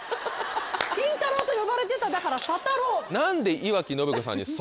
金太郎と呼ばれてただから佐太郎。